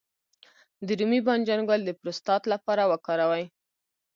د رومي بانجان ګل د پروستات لپاره وکاروئ